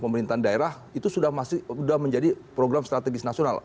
pemerintahan daerah itu sudah menjadi program strategis nasional